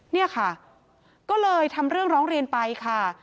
เนี่ยค่ะก็เลยทำเรื่องร้องเรียนไปค่ะ